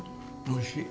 おいしい？